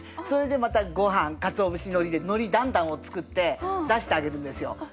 それでまたごはんかつお節のりでのりだんだんを作って出してあげるんですよ。